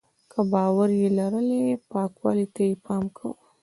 که باور یې لرلی پاکوالي ته یې پام کاوه.